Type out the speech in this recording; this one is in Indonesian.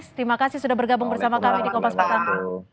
terima kasih sudah bergabung bersama kami di kompas batang